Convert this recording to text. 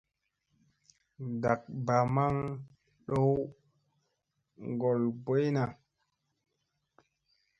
Ndak mba maŋ ɗow ŋgol boy na.